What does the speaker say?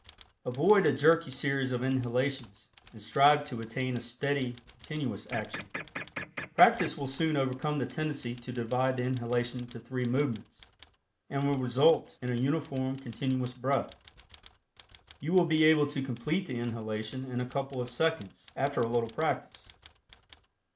Avoid a jerky series of inhalations, and strive to attain a steady continuous action. Practice will soon overcome the tendency to divide the inhalation into three movements, and will result in a uniform continuous breath. You will be able to complete the inhalation in a couple of seconds after a little practice.